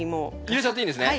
入れちゃっていいんですね？